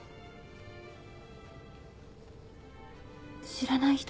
知らない人？